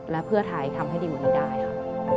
และเพื่อไทยทำให้ดีกว่านี้ได้ค่ะ